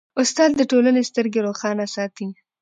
استاد د ټولنې سترګې روښانه ساتي.